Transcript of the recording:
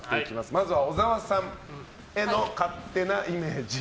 まずは小沢さんへの勝手なイメージ。